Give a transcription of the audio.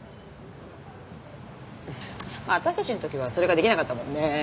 私たちの時はそれができなかったもんね。